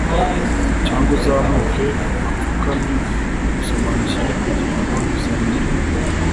Cyangwa uzamuke apfukame gusomana ishyari kugirango dusangire pe